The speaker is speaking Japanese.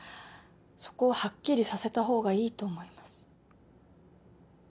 そこをハッキリさせた方がいいと思います